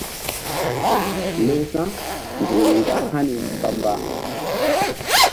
Lew sa̧nzukri mgba hani mba-mba.